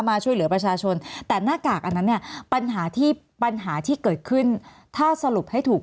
มาช่วยเหลือประชาชนแต่หน้ากากอันนั้นเนี่ยปัญหาที่ปัญหาที่เกิดขึ้นถ้าสรุปให้ถูก